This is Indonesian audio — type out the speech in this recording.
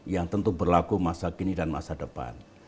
yang tentu berlaku masa kini dan masa depan